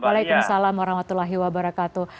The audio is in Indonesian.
waalaikumsalam warahmatullahi wabarakatuh